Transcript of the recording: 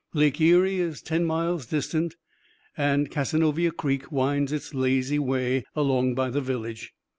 Lake Erie is ten miles distant, and Cazenovia Creek winds its lazy way along by the village.